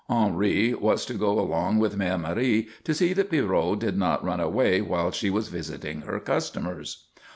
Henri was to go along with Mère Marie to see that Pierrot did not run away while she was visiting her customers.